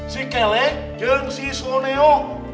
si kelek dan si soneo